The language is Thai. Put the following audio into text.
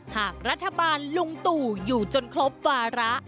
หากรัฐบาลลุงตู่อยู่จนครบวาระ